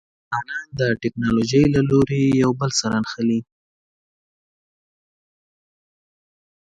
انسانان د ټکنالوجۍ له لارې یو بل سره نښلي.